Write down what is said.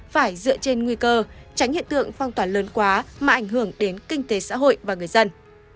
phải dựa trên nguy cơ tránh hiện tượng phong tỏa lớn quá mà ảnh hưởng đến kinh tế xã hội và người dân